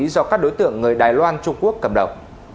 do các đối tượng người đài loan trung quốc cầm đầu